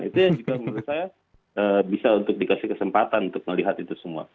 itu yang juga menurut saya bisa untuk dikasih kesempatan untuk melihat itu semua